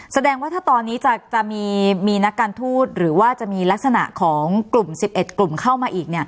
แสดงว่าถ้าตอนนี้จะมีนักการทูตหรือว่าจะมีลักษณะของกลุ่ม๑๑กลุ่มเข้ามาอีก